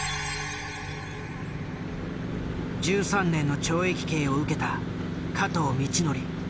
１３年の懲役刑を受けた加藤倫教。